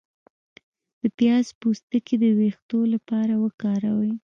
د پیاز پوستکی د ویښتو لپاره وکاروئ